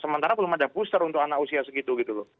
sementara belum ada booster untuk anak usia segitu